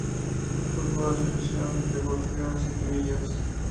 Fútbol: Asociación Deportiva Siete Villas